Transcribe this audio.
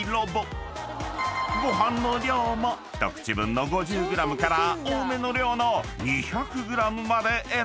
［ご飯の量も一口分の５０ｇから多めの量の２００ｇまで選ぶことができる］